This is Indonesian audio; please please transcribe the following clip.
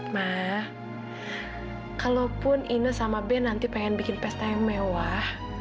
mak kalaupun ine sama ben nanti pengen bikin pesta yang mewah